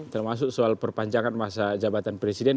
termasuk soal perpanjangan masa jabatan presiden